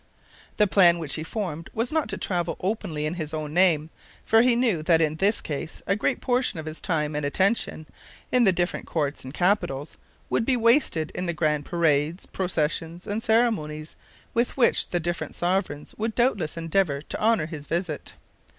The plan which he formed was not to travel openly in his own name, for he knew that in this case a great portion of his time and attention, in the different courts and capitals, would be wasted in the grand parades, processions, and ceremonies with which the different sovereigns would doubtless endeavor to honor his visit.